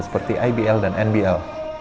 seperti ibl dan nbl